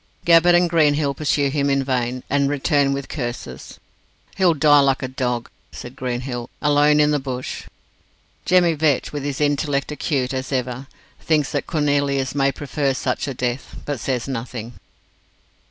Gabbett and Greenhill pursue him in vain, and return with curses. "He'll die like a dog," said Greenhill, "alone in the bush." Jemmy Vetch, with his intellect acute as ever, thinks that Cornelius may prefer such a death, but says nothing.